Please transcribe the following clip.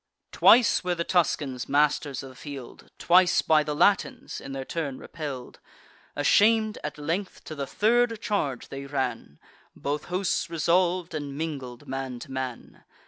Twice were the Tuscans masters of the field, Twice by the Latins, in their turn, repell'd. Asham'd at length, to the third charge they ran; Both hosts resolv'd, and mingled man to man.